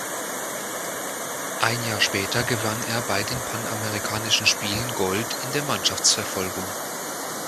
Ein Jahr später gewann er bei den Panamerikanischen Spielen Gold in der Mannschaftsverfolgung.